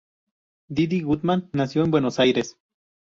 Didi Gutman nació en Buenos Aires.